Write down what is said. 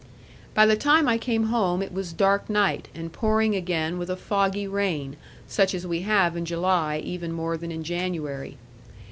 By the time I came home it was dark night, and pouring again with a foggy rain, such as we have in July, even more than in January.